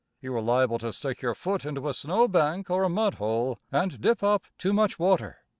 You are liable to stick your foot into a snow bank or a mud hole and dip up too much water.